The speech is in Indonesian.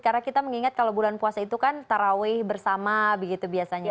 karena kita mengingat kalau bulan puasa itu kan taraweh bersama gitu biasanya